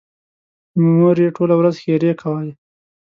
مور یې ټوله ورځ ښېرې کوي.